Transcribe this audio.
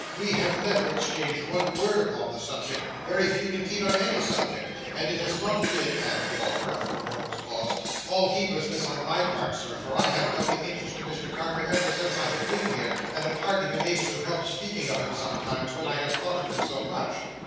We have never exchanged one word upon the subject—very few, indeed, on any subject. And it has not been," added Walter, after a moment's pause, "all heedlessness on my part, Sir; for I have felt an interest in Mr Carker ever since I have been here, and have hardly been able to help speaking of him sometimes, when I have thought of him so much!"